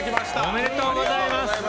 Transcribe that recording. おめでとうございます。